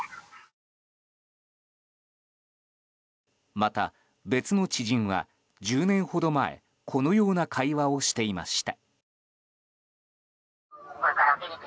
また別の知人は１０年ほど前このような会話をしていました。